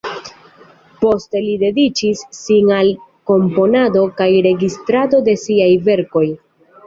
Poste li dediĉis sin al komponado kaj registrado de siaj verkoj.